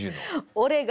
俺が？